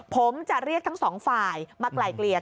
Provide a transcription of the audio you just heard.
ผมจะเรียกทั้งสองฝ่ายมาไกลเกลี่ย